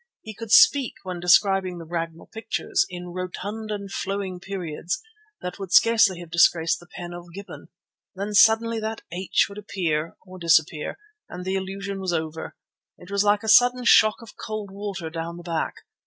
He could speak, when describing the Ragnall pictures, in rotund and flowing periods that would scarcely have disgraced the pen of Gibbon. Then suddenly that "h" would appear or disappear, and the illusion was over. It was like a sudden shock of cold water down the back.